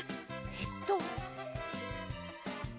えっと。